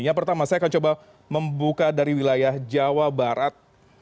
yang pertama saya akan coba membuka dari wilayah jawa barat